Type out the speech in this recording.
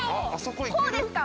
こうですか？